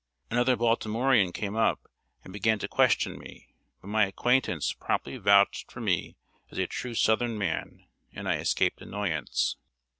Another Baltimorean came up and began to question me, but my acquaintance promptly vouched for me as "a true southern man," and I escaped annoyance.